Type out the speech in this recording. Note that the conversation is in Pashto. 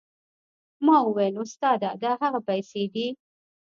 ما وويل استاده دا هغه پيسې دي.